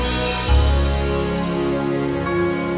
harga diri aku